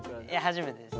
初めてです。